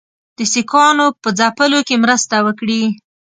د سیکهانو په ځپلو کې مرسته وکړي.